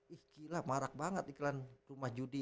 ih kila marak banget iklan rumah judi